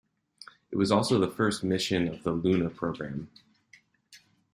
It was also the first mission of the Luna programme.